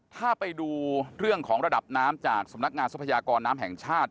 ถ้าไปดูเรื่องของระดับน้ำจากสำนักงานทรัพยากรน้ำแห่งชาติ